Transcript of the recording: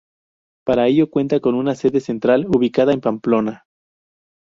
Para ello cuenta con una sede central ubicada en Pamplona.